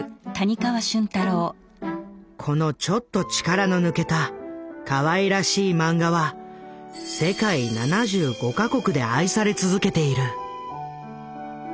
このちょっと力の抜けたかわいらしいマンガは世界７５か国で愛され続けている。